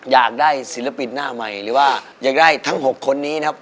อยากได้ศิลปินหน้าใหม่หรือว่าอยากได้ทั้ง๖คนนี้นะครับ